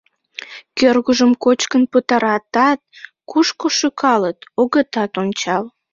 Кӧргыжым кочкын пытаратат, кушко шӱкалыт — огытат ончал.